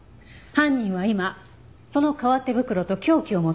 犯人は今その革手袋と凶器を持って逃げています。